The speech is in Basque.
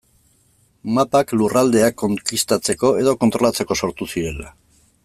Mapak lurraldeak konkistatzeko edo kontrolatzeko sortu zirela.